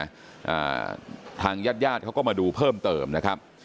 อ่าทางญาติญาติเขาก็มาดูเพิ่มเติมนะครับ